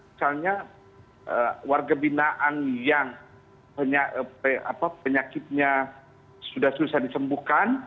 misalnya warga binaan yang penyakitnya sudah susah disembuhkan